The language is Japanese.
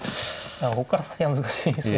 ここから先は難しそうですよね。